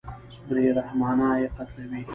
بېرحمانه یې قتلوي.